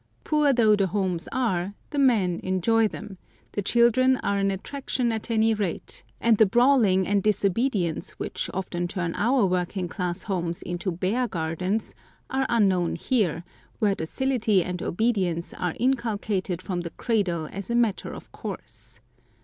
Poor though the homes are, the men enjoy them; the children are an attraction at any rate, and the brawling and disobedience which often turn our working class homes into bear gardens are unknown here, where docility and obedience are inculcated from the cradle as a matter of course.